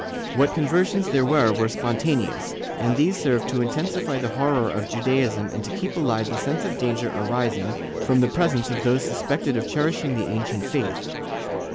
What conversions there were were spontaneous, and these served to intensify the horror of Judaism and to keep alive the sense of danger arising from the presence of those suspected of cherishing the ancient faith.